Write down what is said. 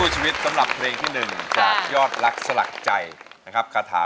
ดิง่าโรคใจโรคใจโรคใจโรคใจโรคใจ